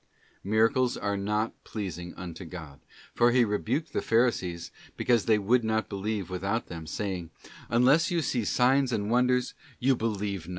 Miracles are not pleasing unto God, for He rebuked the Pharisees because they would not believe without them, saying: 'Unless you see signs and wonders, you believe not.